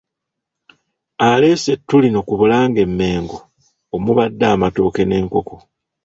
Aleese ettu lino ku Bulange e Mmengo omubadde amatooke n'enkoko.